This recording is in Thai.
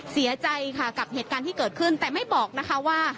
เสียใจค่ะกับเหตุการณ์ที่เกิดขึ้นแต่ไม่บอกนะคะว่า